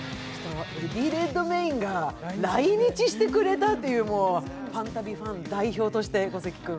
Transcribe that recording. エディ・レッドメインが来日してくれたっていう、「ファンタビ」ファン代表として小関君。